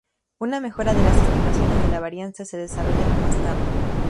Una mejora de las estimaciones de la varianza se desarrollaron más tarde.